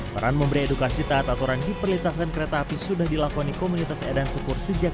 peran memberi edukasi taat aturan di perlintasan kereta api sudah dilakoni komunitas edan sekur sejak dua ribu empat belas